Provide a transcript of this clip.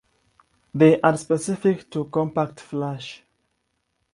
They are specific to CompactFlash.